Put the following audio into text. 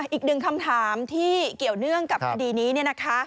อีกหนึ่งคำถามที่เกี่ยวเนื่องกับคดีนี้เนี่ยนะคะ